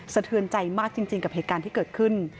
เทือนใจมากจริงกับเหตุการณ์ที่เกิดขึ้น